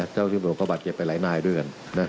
เจ้าที่ตำรวจเขาบาดเจ็บไปหลายนายด้วยกัน